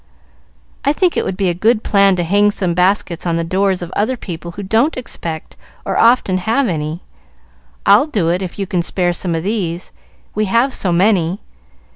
"I think it would be a good plan to hang some baskets on the doors of other people who don't expect or often have any. I'll do it if you can spare some of these, we have so many.